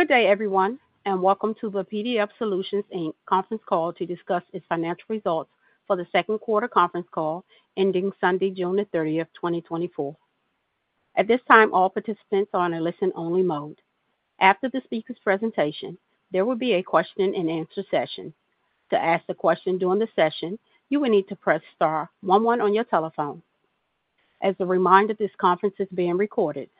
Good day, everyone, and Welcome to the PDF Solutions, Inc. Conference Call to discuss its financial results for the second quarter conference call ending Sunday, June 30, 2024. At this time, all participants are on a listen-only mode. After the speaker's presentation, there will be a question-and-answer session. To ask a question during the session, you will need to press star one one on your telephone. As a reminder, this conference is being recorded.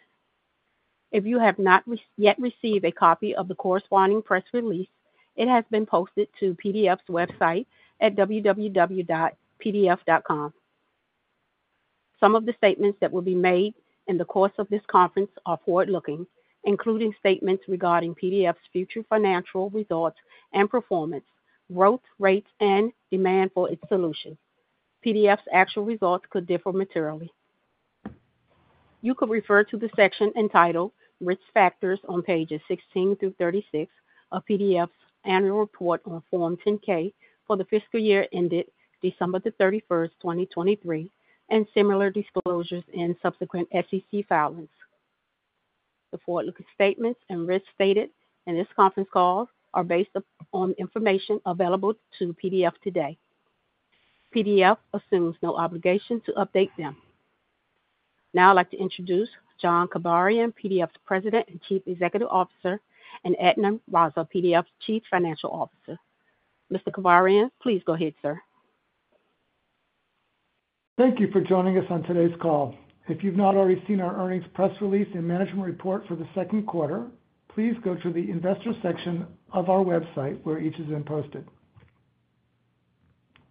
If you have not yet received a copy of the corresponding press release, it has been posted to PDF's website at www.pdf.com. Some of the statements that will be made in the course of this conference are forward-looking, including statements regarding PDF's future financial results and performance, growth rates, and demand for its solutions. PDF's actual results could differ materially. You could refer to the section entitled Risk Factors on pages 16 through 36 of PDF's annual report on Form 10-K for the fiscal year ended December 31, 2023, and similar disclosures in subsequent SEC filings. The forward-looking statements and risks stated in this conference call are based upon information available to PDF today. PDF assumes no obligation to update them. Now, I'd like to introduce John Kibarian, PDF's President and Chief Executive Officer, and Adnan Raza, PDF's Chief Financial Officer. Mr. Kibarian, please go ahead, sir. Thank you for joining us on today's call. If you've not already seen our earnings press release and management report for the second quarter, please go to the investor section of our website, where each is then posted.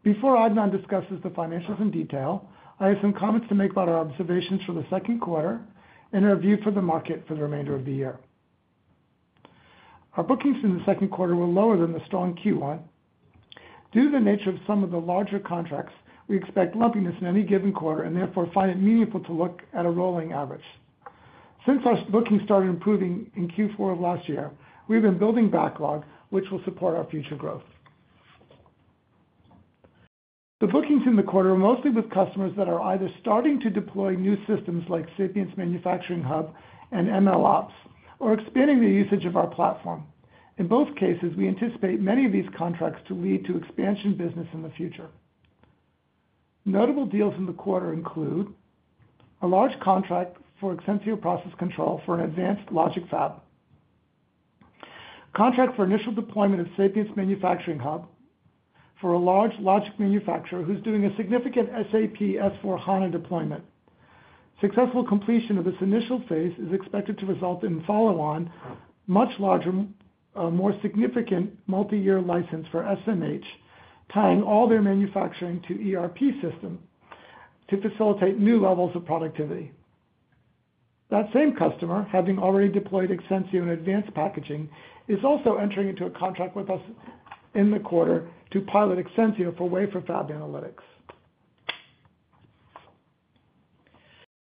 Before Adnan discusses the financials in detail, I have some comments to make about our observations for the second quarter and our view for the market for the remainder of the year. Our bookings in the second quarter were lower than the strong Q1. Due to the nature of some of the larger contracts, we expect lumpiness in any given quarter and therefore find it meaningful to look at a rolling average. Since our bookings started improving in Q4 of last year, we've been building backlog, which will support our future growth. The bookings in the quarter are mostly with customers that are either starting to deploy new systems like Sapience Manufacturing Hub and MLOps, or expanding the usage of our platform. In both cases, we anticipate many of these contracts to lead to expansion business in the future. Notable deals in the quarter include a large contract for Exensio Process Control for an advanced logic fab. Contract for initial deployment of Sapience Manufacturing Hub for a large logic manufacturer who's doing a significant SAP S/4HANA deployment. Successful completion of this initial phase is expected to result in follow-on, much larger, more significant multiyear license for SMH, tying all their manufacturing to ERP system to facilitate new levels of productivity. That same customer, having already deployed Exensio in advanced packaging, is also entering into a contract with us in the quarter to pilot Exensio for wafer fab analytics.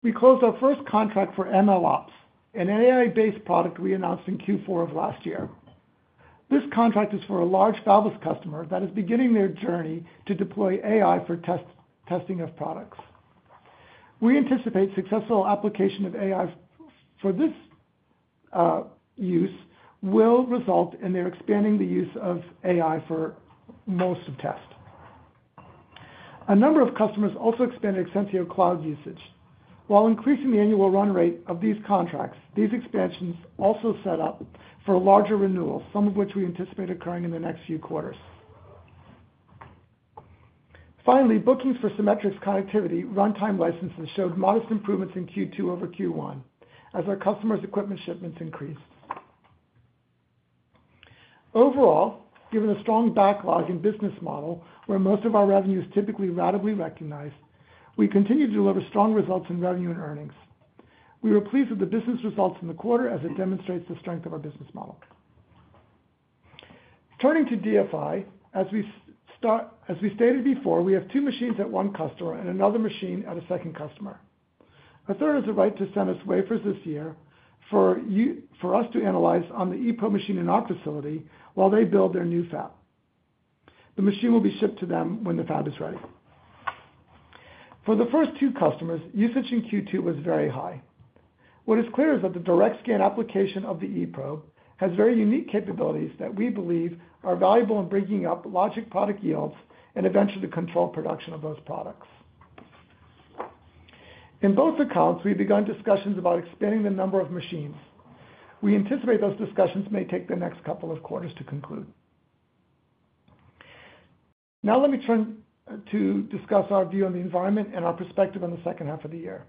We closed our first contract for MLOps, an AI-based product we announced in Q4 of last year. This contract is for a large fabless customer that is beginning their journey to deploy AI for test, testing of products. We anticipate successful application of AI for this, use will result in their expanding the use of AI for most of test. A number of customers also expanded Exensio Cloud usage. While increasing the annual run rate of these contracts, these expansions also set up for a larger renewal, some of which we anticipate occurring in the next few quarters. Finally, bookings for Cimetrix Connectivity runtime licenses showed modest improvements in Q2 over Q1 as our customers' equipment shipments increased. Overall, given a strong backlog and business model where most of our revenue is typically ratably recognized, we continue to deliver strong results in revenue and earnings. We were pleased with the business results in the quarter as it demonstrates the strength of our business model. Turning to DFI, as we stated before, we have two machines at one customer and another machine at a second customer. A third has the right to send us wafers this year for us to analyze on the eProbe machine in our facility while they build their new fab. The machine will be shipped to them when the fab is ready. For the first two customers, usage in Q2 was very high. What is clear is that the direct scan application of the eProbe has very unique capabilities that we believe are valuable in bringing up logic product yields and eventually to control production of those products. In both accounts, we've begun discussions about expanding the number of machines. We anticipate those discussions may take the next couple of quarters to conclude. Now let me turn to discuss our view on the environment and our perspective on the second half of the year.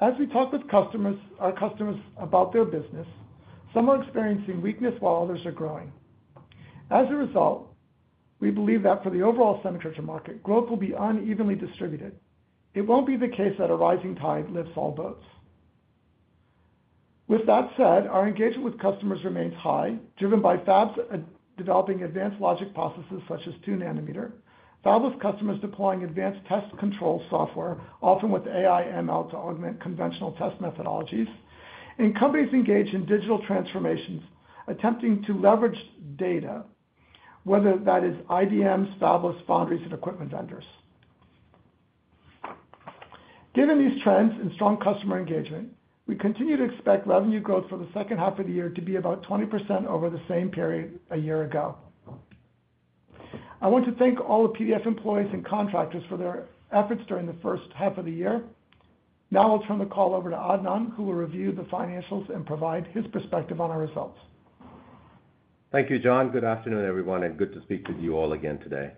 As we talk with customers, our customers about their business, some are experiencing weakness while others are growing. As a result, we believe that for the overall semiconductor market, growth will be unevenly distributed. It won't be the case that a rising tide lifts all boats. With that said, our engagement with customers remains high, driven by fabs developing advanced logic processes such as 2nm, fabless customers deploying advanced test control software, often with AI/ML, to augment conventional test methodologies, and companies engaged in digital transformations attempting to leverage data, whether that is IDMs, fabless foundries, and equipment vendors. Given these trends and strong customer engagement, we continue to expect revenue growth for the second half of the year to be about 20% over the same period a year ago. I want to thank all the PDF employees and contractors for their efforts during the first half of the year. Now I'll turn the call over to Adnan, who will review the financials and provide his perspective on our results. Thank you, John. Good afternoon, everyone, and good to speak with you all again today.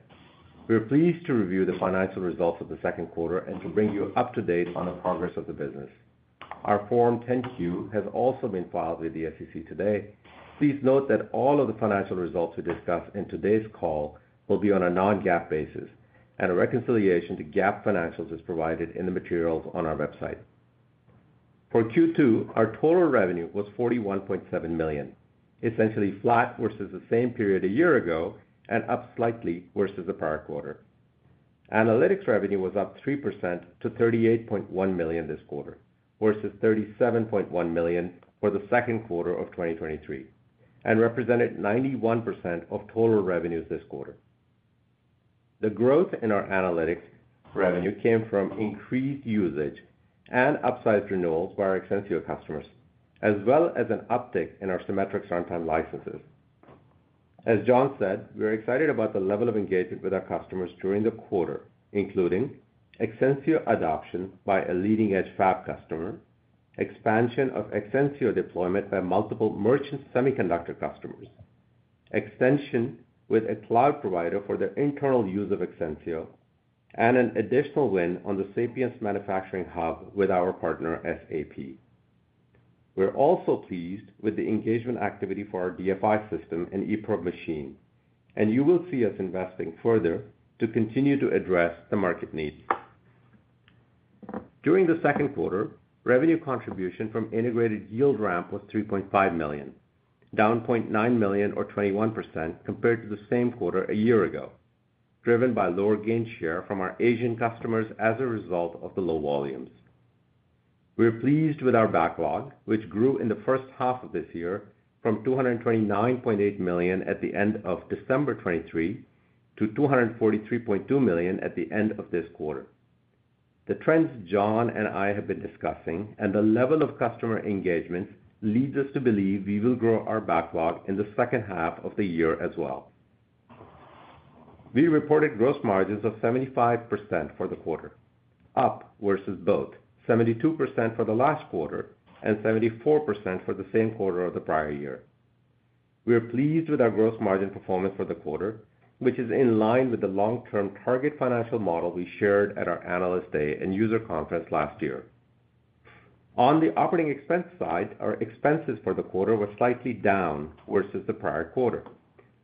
We are pleased to review the financial results of the second quarter and to bring you up to date on the progress of the business. Our Form 10-Q has also been filed with the SEC today. Please note that all of the financial results we discuss in today's call will be on a non-GAAP basis, and a reconciliation to GAAP financials is provided in the materials on our website. For Q2, our total revenue was $41.7 million, essentially flat versus the same period a year ago and up slightly versus the prior quarter. Analytics revenue was up 3% to $38.1 million this quarter, versus $37.1 million for the second quarter of 2023, and represented 91% of total revenues this quarter. The growth in our analytics revenue came from increased usage and upsized renewals by our extensive customers, as well as an uptick in our Cimetrix runtime licenses. As John said, we are excited about the level of engagement with our customers during the quarter, including Exensio adoption by a leading-edge fab customer, expansion of Exensio deployment by multiple merchant semiconductor customers, extension with a cloud provider for the internal use of Exensio, and an additional win on the Sapience Manufacturing Hub with our partner, SAP. We're also pleased with the engagement activity for our DFI system and eProbe machine, and you will see us investing further to continue to address the market needs. During the second quarter, revenue contribution from Integrated Yield Ramp was $3.5 million, down $0.9 million or 21% compared to the same quarter a year ago, driven by lower gain share from our Asian customers as a result of the low volumes. We are pleased with our backlog, which grew in the first half of this year from $229.8 million at the end of December 2023 to $243.2 million at the end of this quarter. The trends John and I have been discussing and the level of customer engagement leads us to believe we will grow our backlog in the second half of the year as well. We reported gross margins of 75% for the quarter, up versus both 72% for the last quarter and 74% for the same quarter of the prior year. We are pleased with our gross margin performance for the quarter, which is in line with the long-term target financial model we shared at our Analyst Day and user conference last year. On the operating expense side, our expenses for the quarter were slightly down versus the prior quarter,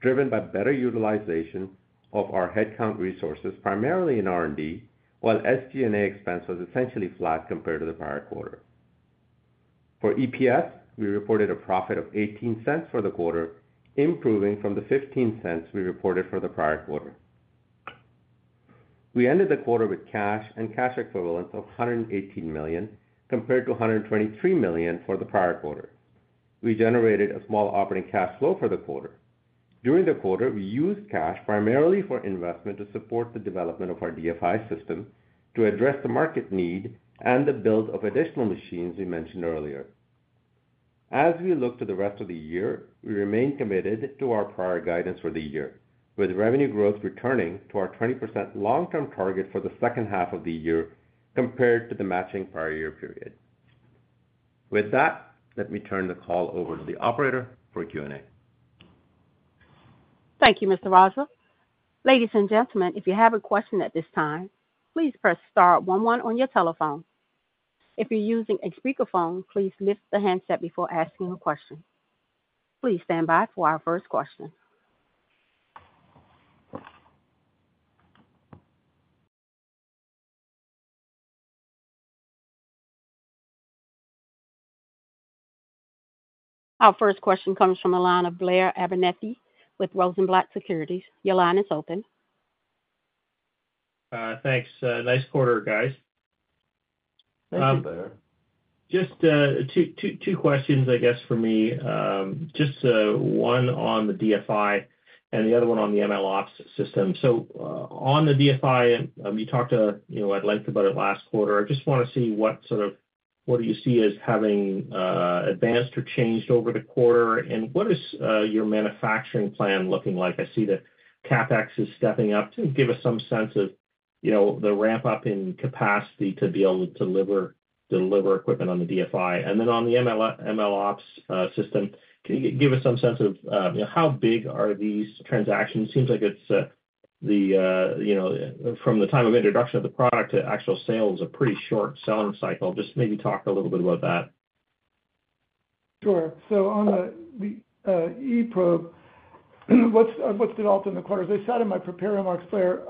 driven by better utilization of our headcount resources, primarily in R&D, while SG&A expense was essentially flat compared to the prior quarter. For EPS, we reported a profit of $0.18 for the quarter, improving from the $0.15 we reported for the prior quarter. We ended the quarter with cash and cash equivalents of $118 million, compared to $123 million for the prior quarter. We generated a small operating cash flow for the quarter. During the quarter, we used cash primarily for investment to support the development of our DFI system, to address the market need and the build of additional machines we mentioned earlier. As we look to the rest of the year, we remain committed to our prior guidance for the year, with revenue growth returning to our 20% long-term target for the second half of the year compared to the matching prior year period. With that, let me turn the call over to the operator for Q&A. Thank you, Mr. Raza. Ladies and gentlemen, if you have a question at this time, please press star one one on your telephone. If you're using a speakerphone, please lift the handset before asking a question. Please stand by for our first question. Our first question comes from the line of Blair Abernethy with Rosenblatt Securities. Your line is open. Thanks. Nice quarter, guys. Thank you, Blair. Just two questions, I guess for me. Just one on the DFI and the other one on the MLOps system. So, on the DFI, you talked to, you know, at length about it last quarter. I just want to see what sort of—what do you see as having advanced or changed over the quarter, and what is your manufacturing plan looking like? I see the CapEx is stepping up. To give us some sense of, you know, the ramp-up in capacity to be able to deliver equipment on the DFI. And then on the MLOps system, can you give us some sense of, you know, how big are these transactions? It seems like it's, you know, from the time of introduction of the product to actual sales, a pretty short selling cycle. Just maybe talk a little bit about that. Sure. So on the eProbe, what's developed in the quarter? As I said in my prepared remarks, Blair,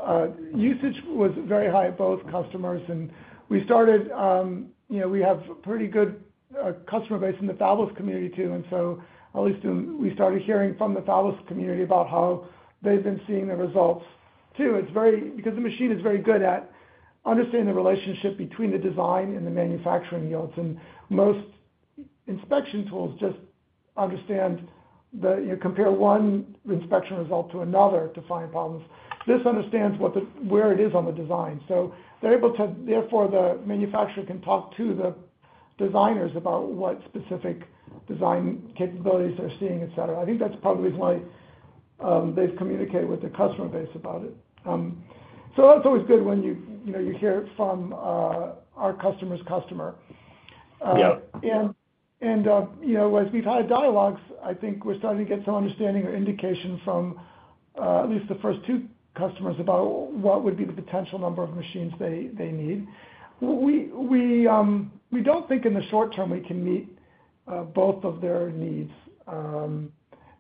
usage was very high at both customers, and we started, you know, we have pretty good customer base in the fabless community, too. And so at least we started hearing from the fabless community about how they've been seeing the results, too. It's very, because the machine is very good at understanding the relationship between the design and the manufacturing yields, and most inspection tools understand that you compare one inspection result to another to find problems. This understands where it is on the design. So they're able to, therefore, the manufacturer can talk to the designers about what specific design capabilities they're seeing, et cetera. I think that's probably why they've communicated with their customer base about it. So that's always good when you, you know, you hear it from our customer's customer. Yep. And you know, as we've had dialogues, I think we're starting to get some understanding or indication from at least the first two customers about what would be the potential number of machines they need. We don't think in the short term we can meet both of their needs.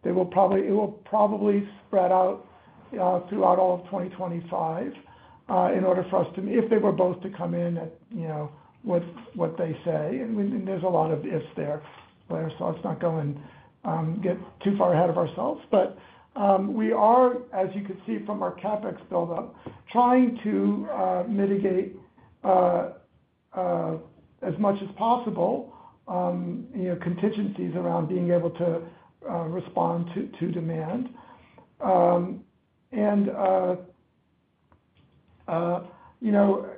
They will probably. It will probably spread out throughout all of 2025 in order for us to. If they were both to come in at, you know, what they say, and there's a lot of ifs there, so let's not go and get too far ahead of ourselves. But we are, as you can see from our CapEx buildup, trying to mitigate as much as possible, you know, contingencies around being able to respond to demand. You know,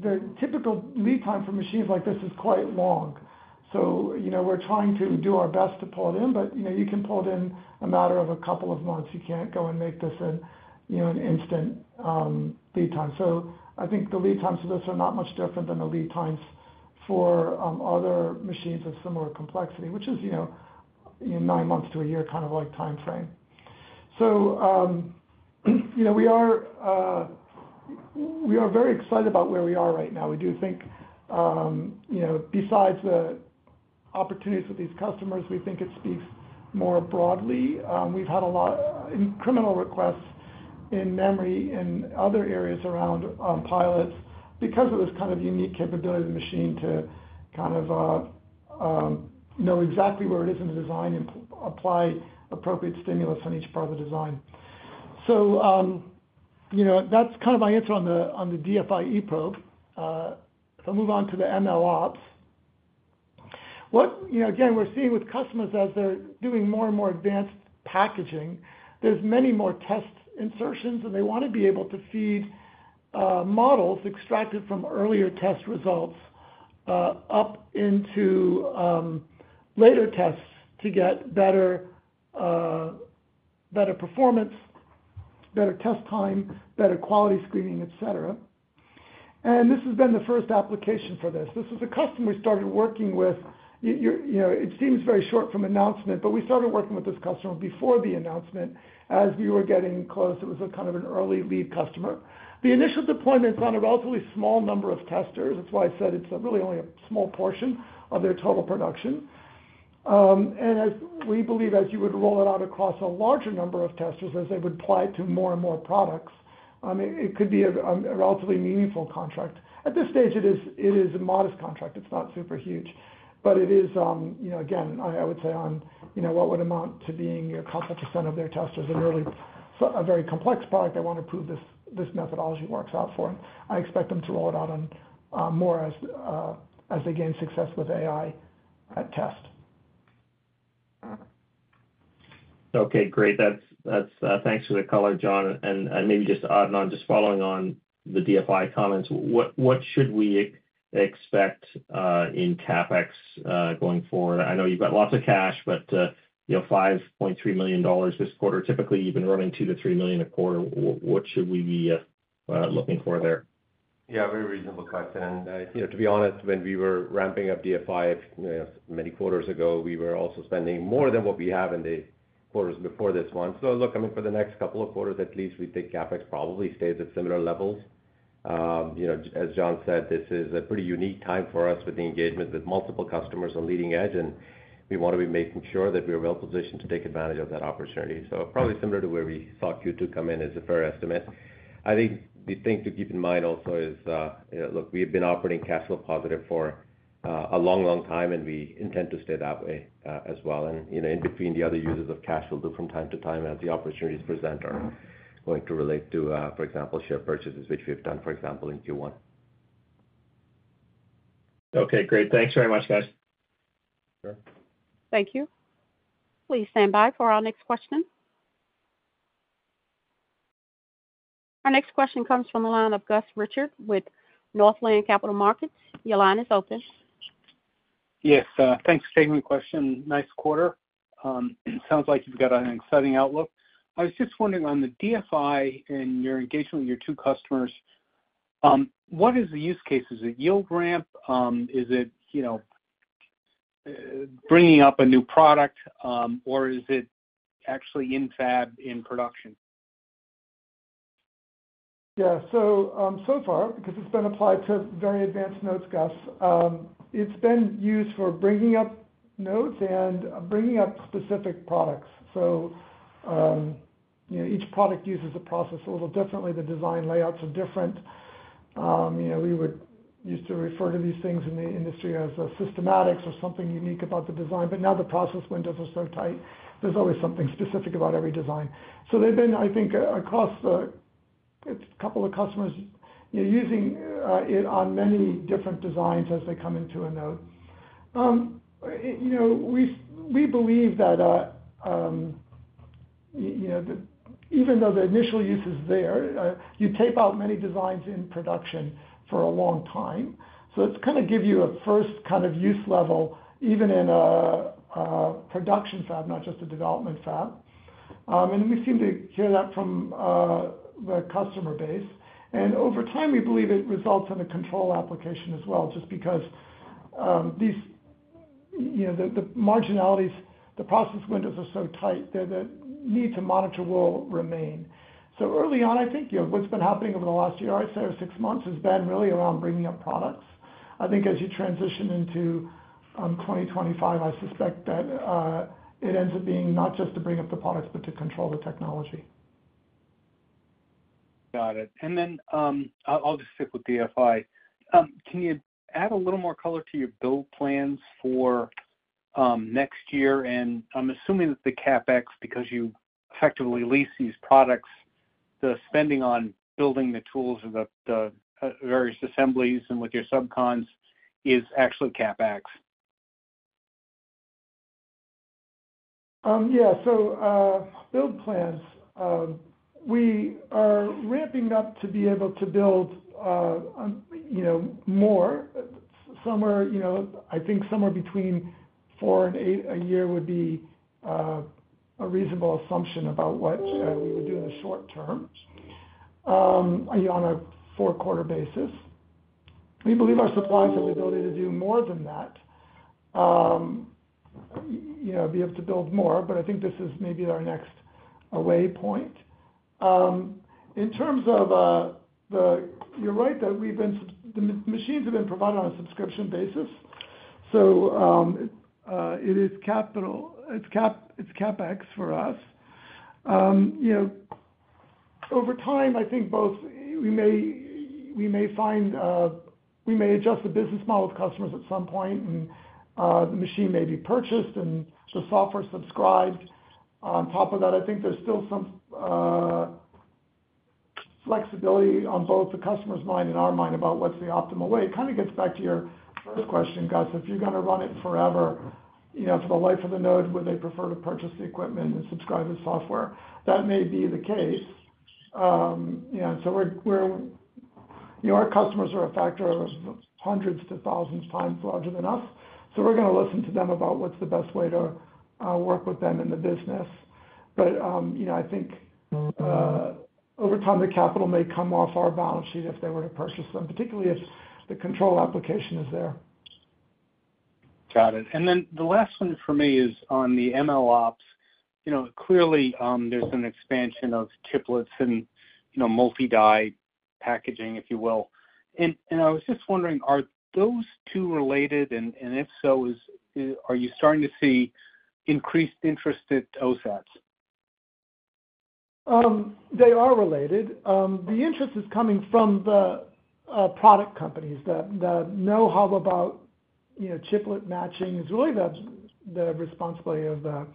the typical lead time for machines like this is quite long. So, you know, we're trying to do our best to pull it in, but, you know, you can pull it in a matter of a couple of months. You can't go and make this an, you know, an instant lead time. So I think the lead times for this are not much different than the lead times for other machines of similar complexity, which is, you know, nine months to a year, kind of like time frame. So, you know, we are very excited about where we are right now. We do think, you know, besides the opportunities with these customers, we think it speaks more broadly. We've had a lot in customer requests in memory, in other areas around pilots, because of this kind of unique capability of the machine to kind of know exactly where it is in the design and apply appropriate stimulus on each part of the design. So, you know, that's kind of my answer on the DFI eProbe. So move on to the MLOps. You know, again, we're seeing with customers as they're doing more and more advanced packaging, there's many more test insertions, and they want to be able to feed models extracted from earlier test results up into later tests to get better better performance, better test time, better quality screening, etc. And this has been the first application for this. This is a customer we started working with. You know, it seems very short from announcement, but we started working with this customer before the announcement. As we were getting close, it was a kind of an early lead customer. The initial deployment is on a relatively small number of testers. That's why I said it's really only a small portion of their total production. And as we believe, as you would roll it out across a larger number of testers, as they would apply it to more and more products, it could be a relatively meaningful contract. At this stage, it is a modest contract. It's not super huge, but it is, you know, again, I would say on, you know, what would amount to being a couple of percent of their testers. A really, a very complex product. They want to prove this methodology works out for them. I expect them to roll it out on more as they gain success with AI at test. Okay, great. That's thanks for the color, John. And maybe just to add on, just following on the DFI comments, what should we expect in CapEx going forward? I know you've got lots of cash, but you know, $5.3 million this quarter, typically, you've been running $2 million-$3 million a quarter. What should we be looking for there? Yeah, very reasonable question. You know, to be honest, when we were ramping up DFI, you know, many quarters ago, we were also spending more than what we have in the quarters before this one. So look, I mean, for the next couple of quarters, at least, we think CapEx probably stays at similar levels. You know, as John said, this is a pretty unique time for us with the engagement with multiple customers on leading edge, and we want to be making sure that we are well positioned to take advantage of that opportunity. So probably similar to where we thought Q2 come in is a fair estimate. I think the thing to keep in mind also is, you know, look, we've been operating cash flow positive for a long, long time, and we intend to stay that way, as well. You know, in between the other uses of cash, we'll do from time to time, as the opportunities present are going to relate to, for example, share purchases, which we've done, for example, in Q1. Okay, great. Thanks very much, guys. Sure. Thank you. Please stand by for our next question. Our next question comes from the line of Gus Richard with Northland Capital Markets. Your line is open. Yes, thanks for taking my question. Nice quarter. Sounds like you've got an exciting outlook. I was just wondering on the DFI and your engagement with your two customers, what is the use case? Is it yield ramp? Is it, you know, bringing up a new product, or is it actually in fab in production? Yeah. So, so far, because it's been applied to very advanced nodes, Gus, it's been used for bringing up nodes and bringing up specific products. So, you know, each product uses the process a little differently. The design layouts are different. You know, we used to refer to these things in the industry as a systematics or something unique about the design, but now the process windows are so tight, there's always something specific about every design. So they've been, I think, across the- It's a couple of customers, you're using it on many different designs as they come into a node. It, you know, we believe that, you know, the even though the initial use is there, you tape out many designs in production for a long time. So it's kind of give you a first kind of use level, even in a production fab, not just a development fab. And we seem to hear that from the customer base. And over time, we believe it results in a control application as well, just because these, you know, the marginalities, the process windows are so tight that the need to monitor will remain. So early on, I think, you know, what's been happening over the last year, I'd say, or six months, has been really around bringing up products. I think as you transition into 2025, I suspect that it ends up being not just to bring up the products, but to control the technology. Got it. And then, I'll just stick with DFI. Can you add a little more color to your build plans for next year? And I'm assuming that the CapEx, because you effectively lease these products, the spending on building the tools and the various assemblies and with your subcons is actually CapEx. Yeah. So, build plans. We are ramping up to be able to build, on, you know, more. Somewhere, you know, I think somewhere between four and eight a year would be a reasonable assumption about what we would do in the short term, on a four-quarter basis. We believe our suppliers have the ability to do more than that, you know, be able to build more, but I think this is maybe our next away point. In terms of, the... You're right, that we've been s- the m- machines have been provided on a subscription basis, so, it is capital, it's cap- it's CapEx for us. You know, over time, I think both, we may, we may find, we may adjust the business model with customers at some point, and, the machine may be purchased and the software subscribed. On top of that, I think there's still some, flexibility on both the customer's mind and our mind about what's the optimal way. It kind of gets back to your first question, Gus. If you're gonna run it forever, you know, for the life of the node, would they prefer to purchase the equipment and subscribe to the software? That may be the case. You know, so we're, we're, you know, our customers are a factor of hundreds to thousands times larger than us, so we're gonna listen to them about what's the best way to, work with them in the business. You know, I think over time, the capital may come off our balance sheet if they were to purchase them, particularly if the control application is there. Got it. And then the last one for me is on the MLOps. You know, clearly, there's an expansion of chiplets and, you know, multi-die packaging, if you will. And, and I was just wondering, are those two related? And, and if so, is, are you starting to see increased interest at OSATs? They are related. The interest is coming from the product companies. The know-how about, you know, chiplet matching is really the responsibility of the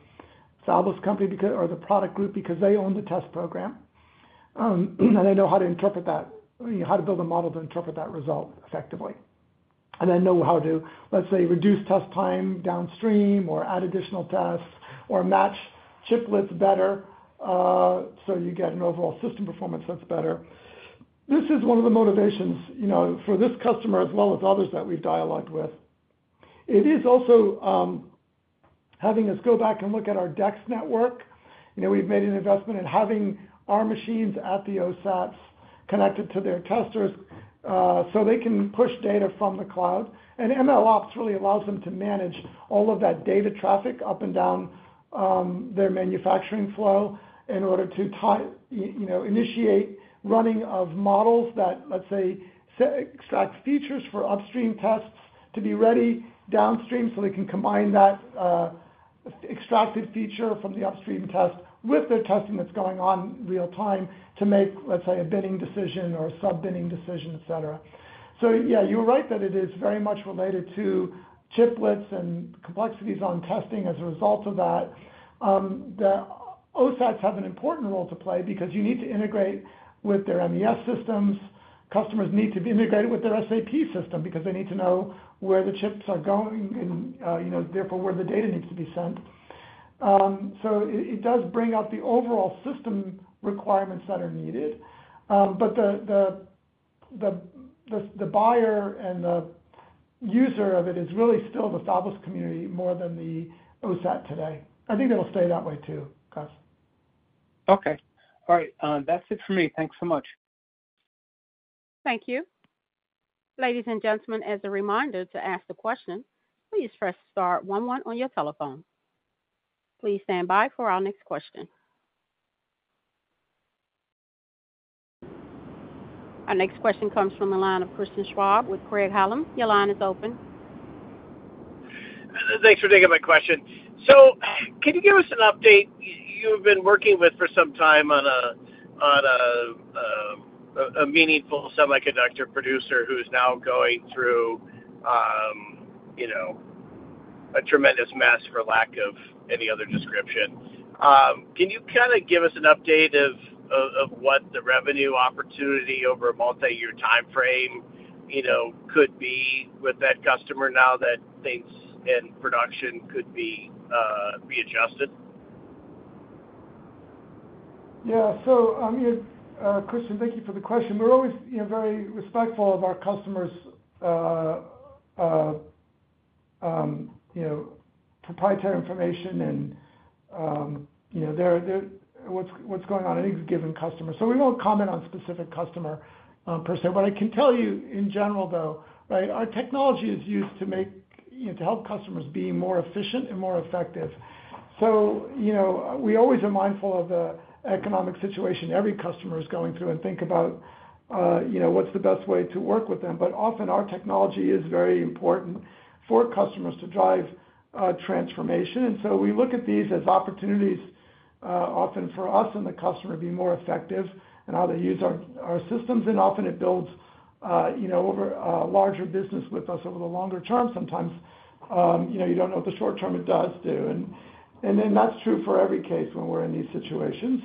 Fabless company, because or the product group, because they own the test program. And they know how to interpret that, how to build a model to interpret that result effectively. And they know how to, let's say, reduce test time downstream or add additional tests or match chiplets better, so you get an overall system performance that's better. This is one of the motivations, you know, for this customer as well as others that we've dialogued with. It is also having us go back and look at our Exensio network. You know, we've made an investment in having our machines at the OSATs connected to their testers, so they can push data from the cloud. MLOps really allows them to manage all of that data traffic up and down, their manufacturing flow in order to tie, you know, initiate running of models that, let's say, extracts features for upstream tests to be ready downstream, so they can combine that, extracted feature from the upstream test with their testing that's going on real time to make, let's say, a binning decision or a sub-binning decision, et cetera. So yeah, you're right that it is very much related to chiplets and complexities on testing as a result of that. The OSATs have an important role to play because you need to integrate with their MES systems. Customers need to be integrated with their SAP system because they need to know where the chips are going and, you know, therefore, where the data needs to be sent. So it does bring out the overall system requirements that are needed, but the buyer and the user of it is really still the Fabless community more than the OSAT today. I think it'll stay that way, too, Gus. Okay. All right, that's it for me. Thanks so much. Thank you. Ladies and gentlemen, as a reminder to ask a question, please press star one one on your telephone. Please stand by for our next question. Our next question comes from the line of Christian Schwab with Craig-Hallum. Your line is open. Thanks for taking my question. So can you give us an update? You've been working with for some time on a meaningful semiconductor producer who's now going through, you know, a tremendous mess, for lack of any other description. Can you kind of give us an update of what the revenue opportunity over a multi-year time frame, you know, could be with that customer now that things in production could be readjusted? Yeah. So, Christian, thank you for the question. We're always, you know, very respectful of our customers' proprietary information and, you know, their, what's going on any given customer. So we won't comment on specific customer per se. But I can tell you in general, though, right, our technology is used to make, you know, to help customers be more efficient and more effective. So, you know, we always are mindful of the economic situation every customer is going through and think about, you know, what's the best way to work with them. But often, our technology is very important for customers to drive transformation. And so we look at these as opportunities often for us and the customer to be more effective in how they use our systems. And often it builds, you know, over larger business with us over the longer term. Sometimes, you know, you don't know if the short term it does do, and, and then that's true for every case when we're in these situations.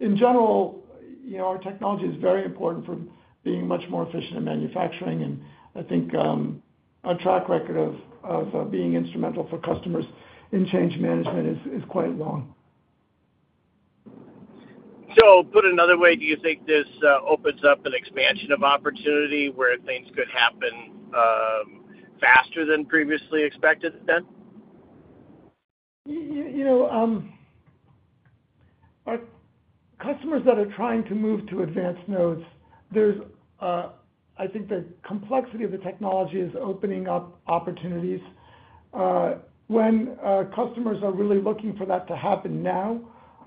In general, you know, our technology is very important for being much more efficient in manufacturing, and I think our track record of, of, being instrumental for customers in change management is, is quite long. Put another way, do you think this opens up an expansion of opportunity where things could happen faster than previously expected then? You know, our customers that are trying to move to advanced nodes, there's, I think the complexity of the technology is opening up opportunities. When our customers are really looking for that to happen now,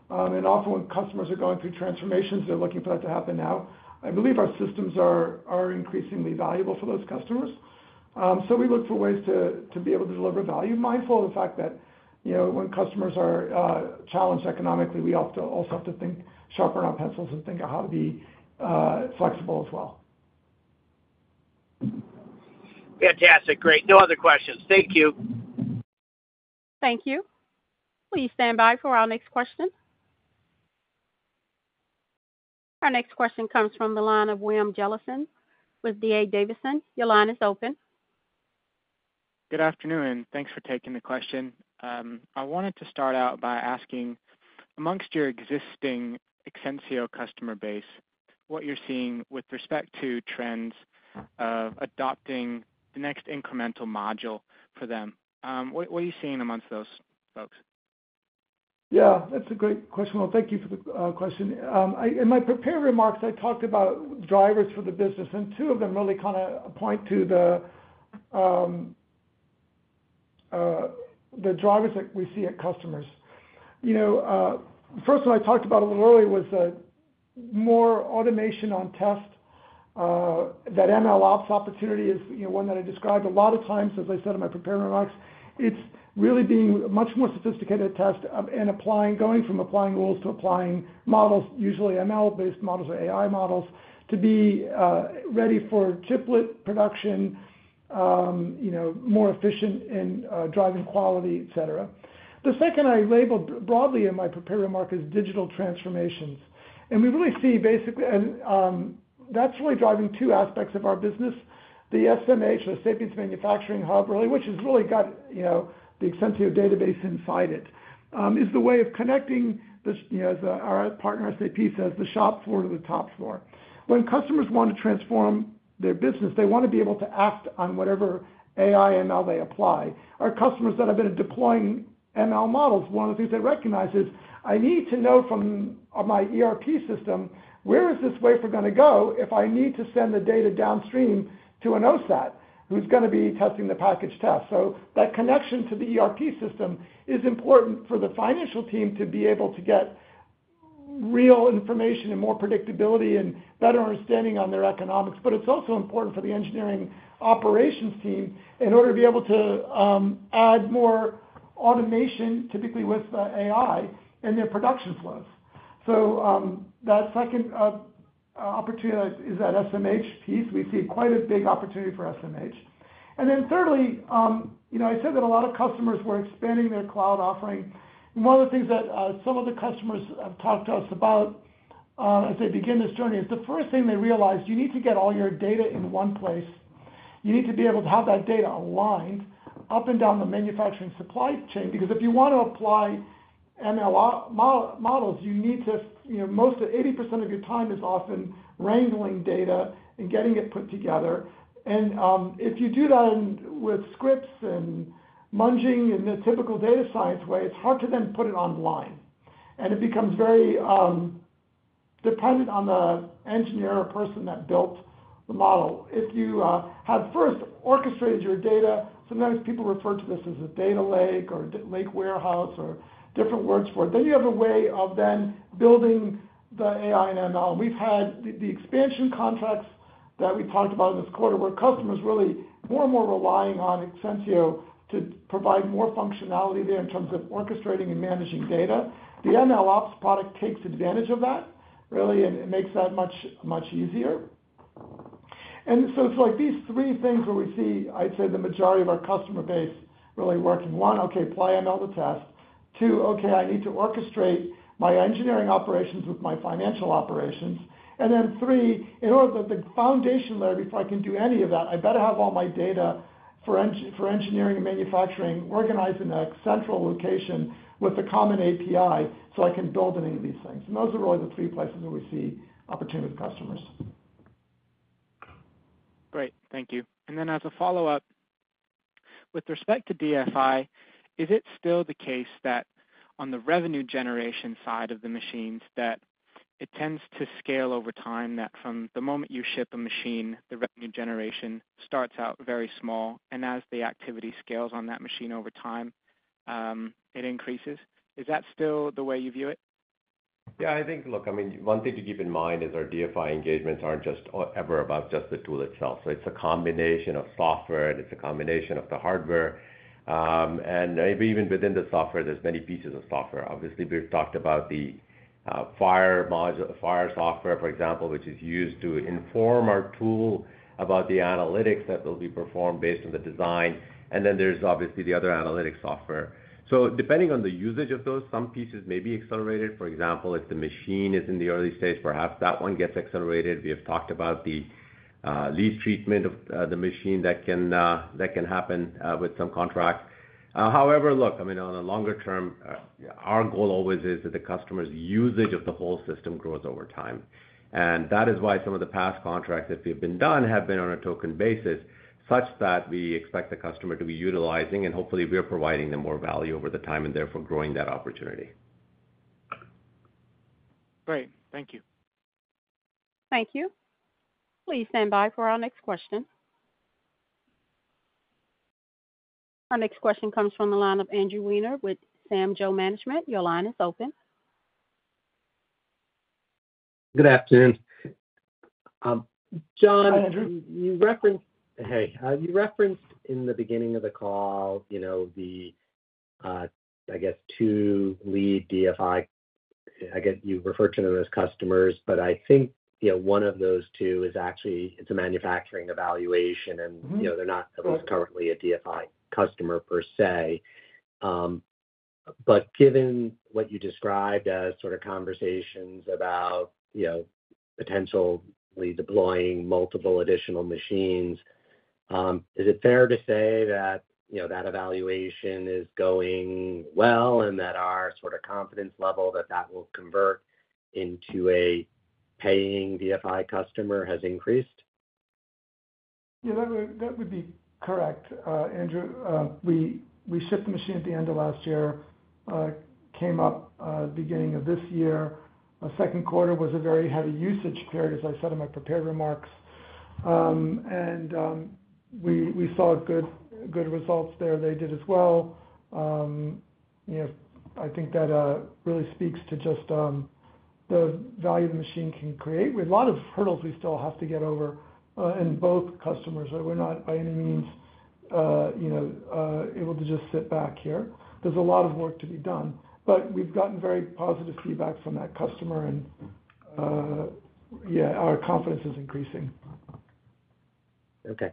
and often when customers are going through transformations, they're looking for that to happen now. I believe our systems are increasingly valuable for those customers. So we look for ways to be able to deliver value, mindful of the fact that, you know, when customers are challenged economically, we have to also have to think, sharpen our pencils and think of how to be flexible as well. Fantastic. Great. No other questions. Thank you. Thank you. Please stand by for our next question. Our next question comes from the line of William Jellison with D.A. Davidson. Your line is open. Good afternoon, and thanks for taking the question. I wanted to start out by asking, amongst your existing Exensio customer base, what you're seeing with respect to trends of adopting the next incremental module for them. What are you seeing amongst those folks? Yeah, that's a great question. Well, thank you for the question. In my prepared remarks, I talked about drivers for the business, and two of them really kind of point to the drivers that we see at customers. You know, the first one I talked about a little early was more automation on test, that MLOps opportunity is, you know, one that I described. A lot of times, as I said in my prepared remarks, it's really being a much more sophisticated test and applying—going from applying rules to applying models, usually ML-based models or AI models, to be ready for chiplet production, you know, more efficient in driving quality, et cetera. The second I labeled broadly in my prepared remark is digital transformations, and we really see that's really driving two aspects of our business. The SMH, the Sapience Manufacturing Hub, really, which has really got, you know, the Exensio database inside it, is the way of connecting this, you know, as our partner SAP says, the shop floor to the top floor. When customers want to transform their business, they want to be able to act on whatever AI, ML they apply. Our customers that have been deploying ML models, one of the things they recognize is, I need to know from my ERP system, where is this wafer gonna go if I need to send the data downstream to an OSAT, who's gonna be testing the package test? So that connection to the ERP system is important for the financial team to be able to get real information and more predictability and better understanding on their economics. But it's also important for the engineering operations team in order to be able to add more automation, typically with the AI, in their production flows. So, that second opportunity is that SMH piece. We see quite a big opportunity for SMH. And then thirdly, you know, I said that a lot of customers were expanding their cloud offering. And one of the things that some of the customers have talked to us about as they begin this journey is the first thing they realized: you need to get all your data in one place. You need to be able to have that data aligned up and down the manufacturing supply chain, because if you want to apply ML models, you know, most of 80% of your time is often wrangling data and getting it put together. If you do that and with scripts and munging in the typical data science way, it's hard to then put it online, and it becomes very dependent on the engineer or person that built the model. If you have first orchestrated your data, sometimes people refer to this as a data lake or lake warehouse or different words for it, then you have a way of then building the AI and ML. We've had the expansion contracts that we talked about in this quarter, where customers really more and more relying on Exensio to provide more functionality there in terms of orchestrating and managing data. The MLOps product takes advantage of that, really, and it makes that much, much easier. And so it's like these three things that we see, I'd say, the majority of our customer base really working. One, okay, play another test. Two, okay, I need to orchestrate my engineering operations with my financial operations. And then three, in order that the foundation layer, if I can do any of that, I better have all my data for engineering and manufacturing organized in a central location with a common API, so I can build on any of these things. And those are really the three places where we see opportunity with customers. Great, thank you. And then as a follow-up, with respect to DFI, is it still the case that on the revenue generation side of the machines, that it tends to scale over time, that from the moment you ship a machine, the revenue generation starts out very small, and as the activity scales on that machine over time, it increases? Is that still the way you view it? Yeah, I think, look, I mean, one thing to keep in mind is our DFI engagements aren't just ever about just the tool itself. So it's a combination of software, and it's a combination of the hardware. And maybe even within the software, there's many pieces of software. Obviously, we've talked about the FIRE module, FIRE software, for example, which is used to inform our tool about the analytics that will be performed based on the design. And then there's obviously the other analytics software. So depending on the usage of those, some pieces may be accelerated. For example, if the machine is in the early stage, perhaps that one gets accelerated. We have talked about the lease treatment of the machine that can happen with some contracts. However, look, I mean, on the longer term, our goal always is that the customer's usage of the whole system grows over time. And that is why some of the past contracts that have been done have been on a token basis, such that we expect the customer to be utilizing, and hopefully we are providing them more value over the time, and therefore growing that opportunity. Great. Thank you. Thank you. Please stand by for our next question. Our next question comes from the line of Andrew Weiner with Samjo Management. Your line is open. Good afternoon. John- Hi, Andrew. You referenced. Hey, you referenced in the beginning of the call, you know, the, I guess, two lead DFI, I guess, you referred to them as customers, but I think, you know, one of those two is actually, it's a manufacturing evaluation, and. Mm-hmm. You know, they're not currently a DFI customer per se. But given what you described as sort of conversations about, you know, potentially deploying multiple additional machines, is it fair to say that, you know, that evaluation is going well, and that our sort of confidence level, that that will convert into a paying DFI customer has increased? Yeah, that would, that would be correct, Andrew. We shipped the machine at the end of last year, came up beginning of this year. Our second quarter was a very heavy usage period, as I said in my prepared remarks. We saw good, good results there. They did as well. You know, I think that really speaks to just the value the machine can create. We have a lot of hurdles we still have to get over in both customers. So we're not by any means, you know, able to just sit back here. There's a lot of work to be done, but we've gotten very positive feedback from that customer and yeah, our confidence is increasing. Okay.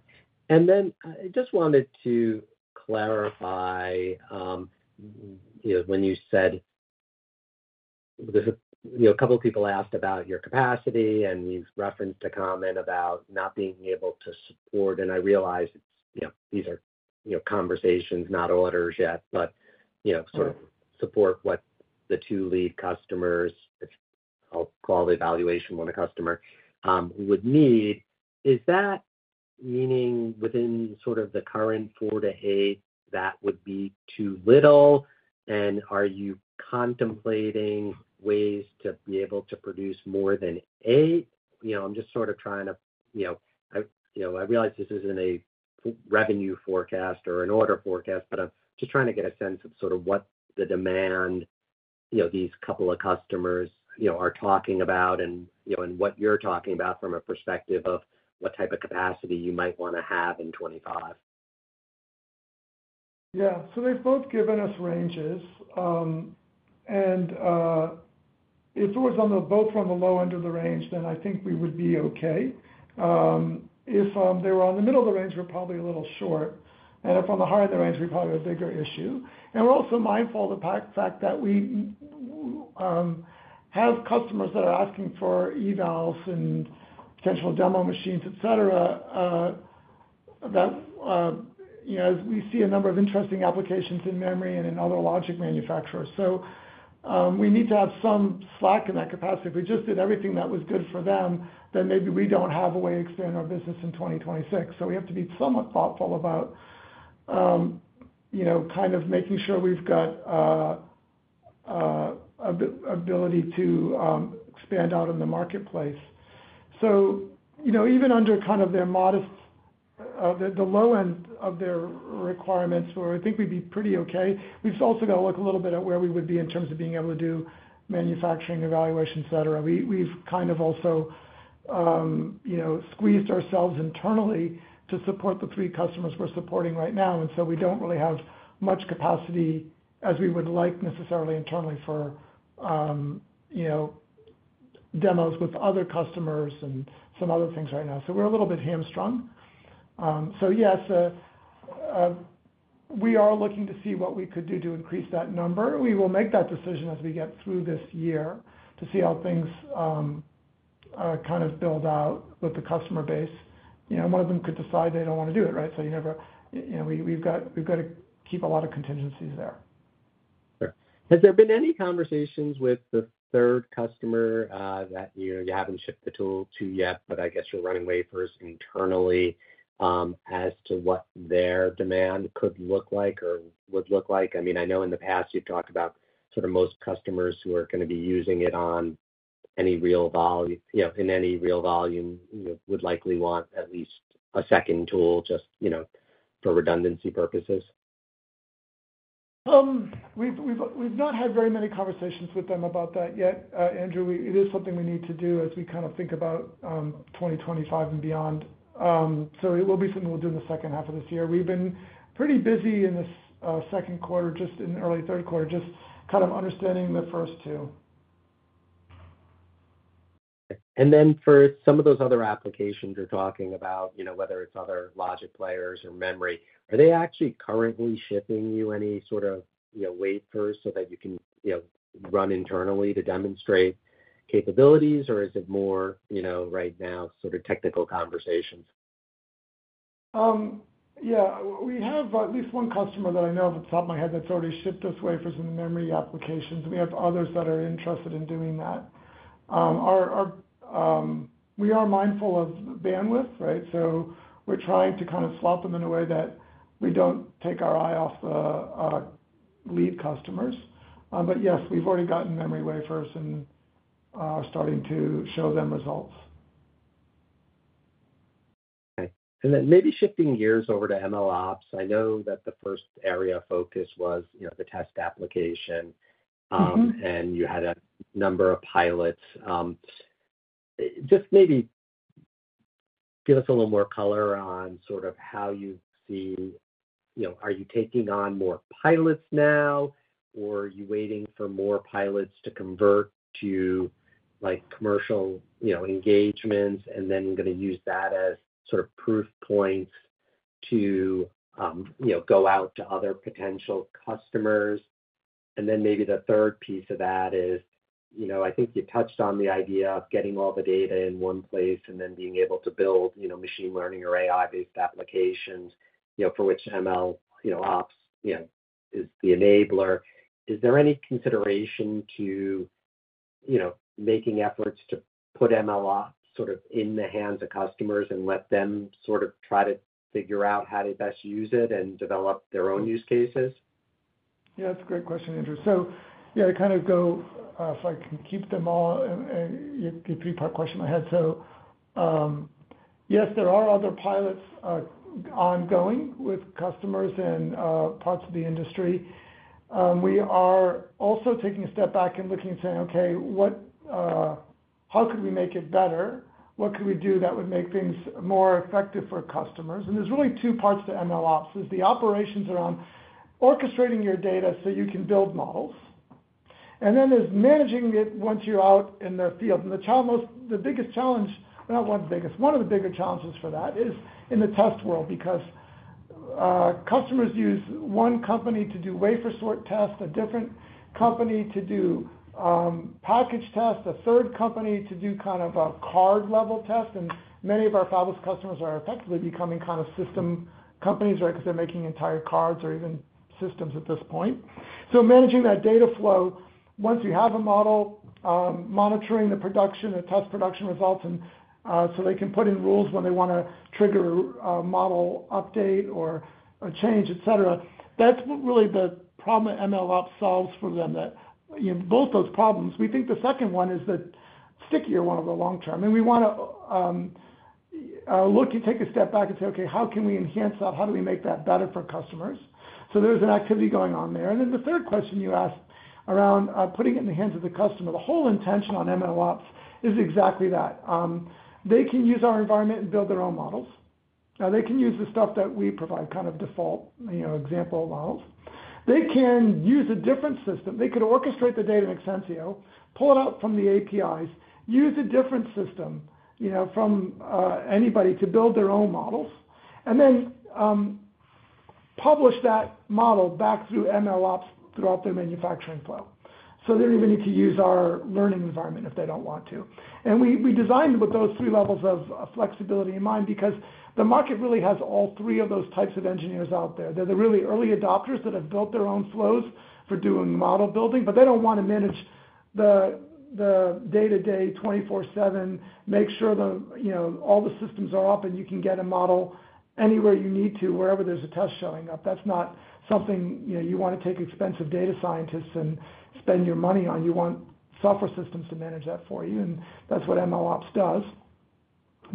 And then I just wanted to clarify, you know, when you said there's a couple of people asked about your capacity, and you've referenced a comment about not being able to support, and I realize, you know, these are, you know, conversations, not orders yet. But, you know. Right Sort of support what the two lead customers, I'll call the evaluation on a customer, would need. Is that meaning within sort of the current four to eight, that would be too little? And are you contemplating ways to be able to produce more than eight? You know, I'm just sort of trying to, you know, I, you know, I realize this isn't a revenue forecast or an order forecast, but I'm just trying to get a sense of sort of what the demand, you know, these couple of customers, you know, are talking about, and, you know, and what you're talking about from a perspective of what type of capacity you might wanna have in 2025. Yeah. So they've both given us ranges, and if it was on both from the low end of the range, then I think we would be okay. If they were on the middle of the range, we're probably a little short, and if on the higher the range, we're probably a bigger issue. And we're also mindful of the fact that we have customers that are asking for evals and potential demo machines, etc., that you know, as we see a number of interesting applications in memory and in other logic manufacturers. So we need to have some slack in that capacity. If we just did everything that was good for them, then maybe we don't have a way to expand our business in 2026. So we have to be somewhat thoughtful about, you know, kind of making sure we've got, ability to, expand out in the marketplace. So, you know, even under kind of their modest, the low end of their requirements, where I think we'd be pretty okay, we've also got to look a little bit at where we would be in terms of being able to do manufacturing, evaluations, etc. We, we've kind of also, you know, squeezed ourselves internally to support the three customers we're supporting right now, and so we don't really have much capacity as we would like necessarily internally for, demos with other customers and some other things right now. So we're a little bit hamstrung. So yes, we are looking to see what we could do to increase that number. We will make that decision as we get through this year to see how things, kind of build out with the customer base. You know, one of them could decide they don't wanna do it, right? So you never, you know, we've got to keep a lot of contingencies there. Sure. Has there been any conversations with the third customer that you haven't shipped the tool to yet, but I guess you're running wafers internally as to what their demand could look like or would look like? I mean, I know in the past you've talked about sort of most customers who are gonna be using it on any real vol-- you know, in any real volume, you know, would likely want at least a second tool just, you know, for redundancy purposes. We've not had very many conversations with them about that yet, Andrew. It is something we need to do as we kind of think about 2025 and beyond. So it will be something we'll do in the second half of this year. We've been pretty busy in this second quarter, just in early third quarter, just kind of understanding the first two. And then for some of those other applications you're talking about, you know, whether it's other logic players or memory, are they actually currently shipping you any sort of, you know, wafers so that you can, you know, run internally to demonstrate capabilities? Or is it more, you know, right now, sort of technical conversations? Yeah, we have at least one customer that I know off the top of my head that's already shipped us wafers in memory applications. We have others that are interested in doing that. We are mindful of bandwidth, right? So we're trying to kind of slot them in a way that we don't take our eye off the lead customers. But yes, we've already gotten memory wafers and starting to show them results. Okay. And then maybe shifting gears over to MLOps. I know that the first area of focus was, you know, the test application. Mm-hmm. And you had a number of pilots. Just maybe give us a little more color on sort of how you see... You know, are you taking on more pilots now, or are you waiting for more pilots to convert to, like, commercial, you know, engagements, and then you're gonna use that as sort of proof points to, you know, go out to other potential customers? And then maybe the third piece of that is, you know, I think you touched on the idea of getting all the data in one place and then being able to build, you know, machine learning or AI-based applications, you know, for which MLOps, you know, is the enabler. Is there any consideration to, you know, making efforts to put MLOps sort of in the hands of customers and let them sort of try to figure out how to best use it and develop their own use cases? Yeah, that's a great question, Andrew. So, yeah, to kind of go, if I can keep them all, you have a three-part question in my head. So, yes, there are other pilots, ongoing with customers and, parts of the industry. We are also taking a step back and looking and saying, "Okay, what, how could we make it better? What could we do that would make things more effective for customers?" And there's really two parts to MLOps, is the operations around orchestrating your data so you can build models, and then there's managing it once you're out in the field. The challenge was, the biggest challenge, not one of the biggest, one of the bigger challenges for that is in the test world, because customers use one company to do wafer sort test, a different company to do package test, a third company to do kind of a card-level test. Many of our fabless customers are effectively becoming kind of system companies, right? Because they're making entire cards or even systems at this point. So managing that data flow, once you have a model, monitoring the production, the test production results, and so they can put in rules when they wanna trigger a model update or change, et cetera. That's really the problem that MLOps solves for them, that, you know, both those problems. We think the second one is the stickier one over the long term, and we wanna look and take a step back and say, "Okay, how can we enhance that? How do we make that better for customers?" So there's an activity going on there. And then the third question you asked around putting it in the hands of the customer. The whole intention on MLOps is exactly that. They can use our environment and build their own models. Now, they can use the stuff that we provide, kind of default, you know, example models. They can use a different system. They could orchestrate the data in Exensio, pull it out from the APIs, use a different system, you know, from anybody to build their own models, and then publish that model back through MLOps throughout their manufacturing flow. So they don't even need to use our learning environment if they don't want to. And we designed with those three levels of flexibility in mind because the market really has all three of those types of engineers out there. They're the really early adopters that have built their own flows for doing model building, but they don't want to manage the day-to-day, 24/7, make sure the, you know, all the systems are up and you can get a model anywhere you need to, wherever there's a test showing up. That's not something, you know, you want to take expensive data scientists and spend your money on. You want software systems to manage that for you, and that's what MLOps does.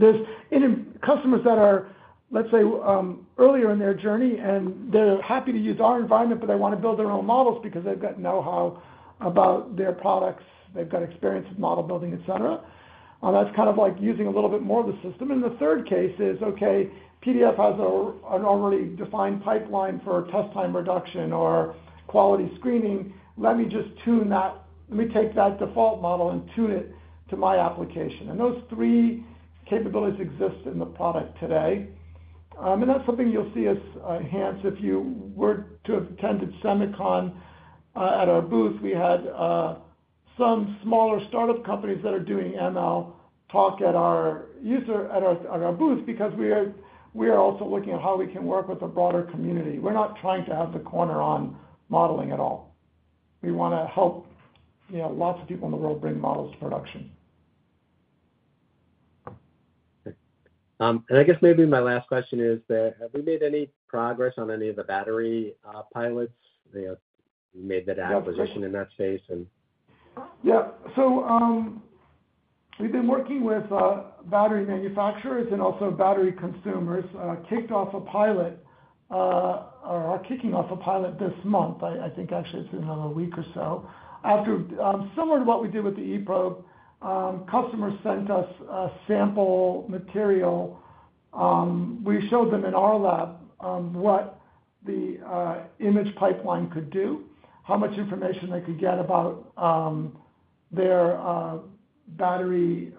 are some customers that are, let's say, earlier in their journey, and they're happy to use our environment, but they want to build their own models because they've got know-how about their products, they've got experience with model building, et cetera. That's kind of like using a little bit more of the system. And the third case is, okay, PDF has an already defined pipeline for test time reduction or quality screening. Let me just tune that. Let me take that default model and tune it to my application. And those three capabilities exist in the product today. And that's something you'll see us enhance. If you were to have attended SEMICON at our booth, we had some smaller startup companies that are doing ML talk at our booth, because we are also looking at how we can work with the broader community. We're not trying to have the corner on modeling at all. We wanna help, you know, lots of people in the world bring models to production. And I guess maybe my last question is that, have we made any progress on any of the battery pilots? You know, you made that acquisition in that space, and. Yeah. So, we've been working with battery manufacturers and also battery consumers. Kicked off a pilot, or are kicking off a pilot this month. I think actually it's in another week or so. After, similar to what we did with the eProbe, customers sent us a sample material. We showed them in our lab what the image pipeline could do, how much information they could get about their battery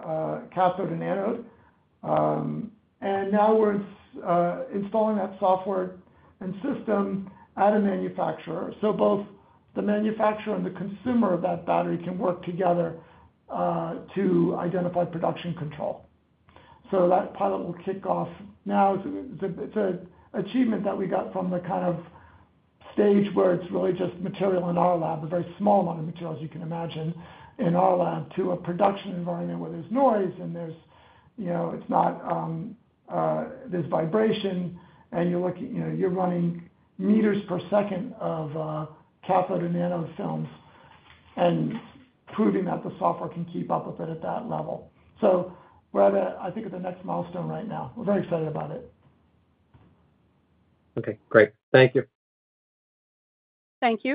cathode and anode. And now we're installing that software and system at a manufacturer. So both the manufacturer and the consumer of that battery can work together to identify production control. So that pilot will kick off. Now, it's an achievement that we got from the kind of stage where it's really just material in our lab, a very small amount of material, as you can imagine, in our lab, to a production environment where there's noise and there's, you know, it's not, there's vibration, and you're looking, you know, you're running meters per second of cathode and nanofilms and proving that the software can keep up with it at that level. So we're at, I think, at the next milestone right now. We're very excited about it. Okay, great. Thank you. Thank you.